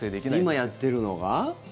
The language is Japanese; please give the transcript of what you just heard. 今やってるのが。